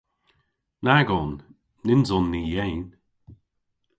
Nag on. Nyns on ni yeyn.